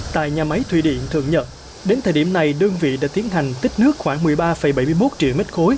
tại nhà máy thủy điện thượng nhật đến thời điểm này đơn vị đã tiến hành tích nước khoảng một mươi ba bảy mươi một triệu m ba